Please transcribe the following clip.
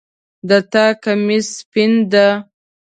د تا کمیس سپین ده